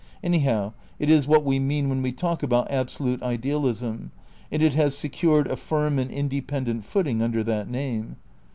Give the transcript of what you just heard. Anyhow it is what we mean when we talk about Absolute Ideal ism ; and it has secured a firm and independent footing under that name.